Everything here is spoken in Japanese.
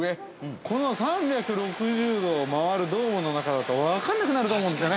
この３６０度を回るドームの中だと、分らなくなると思うんですよね